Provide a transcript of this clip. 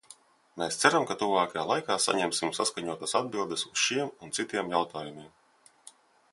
Mēs ceram, ka tuvākajā laikā saņemsim saskaņotas atbildes uz šiem un citiem jautājumiem.